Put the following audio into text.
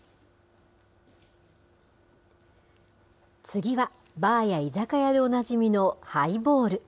次はバーや居酒屋でおなじみのハイボール。